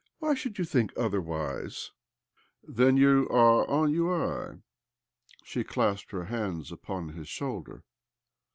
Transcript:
Why should you think otherwise ?" "Then you are ennjiyeel " She clasped her hands upon his shoulder.